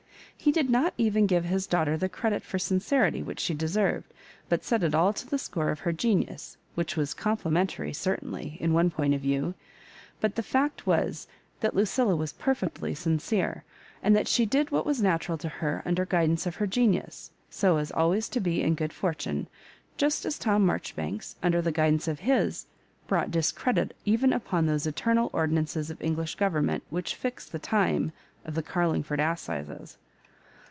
He did not even give his daughter the credit for sincerity which she deserved, but set it all to the score of her genius, which was complimentary, certainly, in one point of view ; but the fact was that Lucilla was perfectly sincere, and that she did what was natural to her under guidance of her genius, so as always to be in good fortune, just as Tom Marjoribanks, under the guidance of his, brought discredit even upon those eternal ordi nances of English government which fixed the time of the Carlingford assizes.